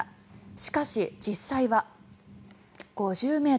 しかし、実際は５０ｍ。